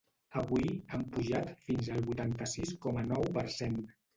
Avui, han pujat fins al vuitanta-sis coma nou per cent.